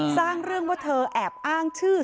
สร้างเรื่องว่าเธอแอบอ้างชื่อ